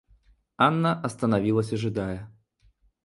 Анна остановилась ожидая.